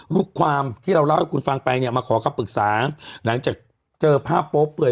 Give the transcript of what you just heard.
ลูกความที่เราเล่าให้คุณฟังไปเนี่ยมาขอคำปรึกษาหลังจากเจอภาพโป๊เปื่อย